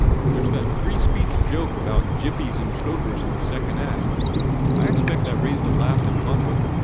There s that three speech joke about Gippies and Chokers in the second act. I expect that raised a laugh in London.